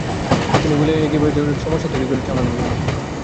তিন গোলে এগিয়ে যাওয়ার পরও ওরা সমস্যা তৈরি করেছে আমাদের জন্য।